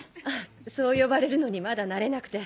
そう呼ばれるのにまだ慣れなくて。